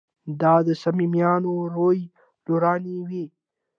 د ده د صمیمانه رویې لورونې وې.